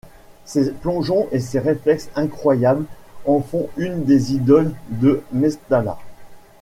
Ses plongeons et ses réflexes incroyables en font une des idoles de Mestalla.